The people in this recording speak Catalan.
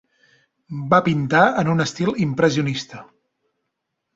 Va pintar en un estil impressionista.